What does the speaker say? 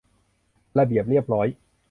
ระเบียบเรียบร้อย